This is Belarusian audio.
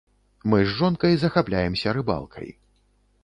Мы з жонкай захапляемся рыбалкай.